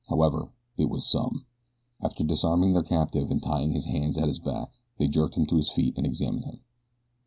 However, it was some. After disarming their captive and tying his hands at his back they jerked him to his feet and examined him.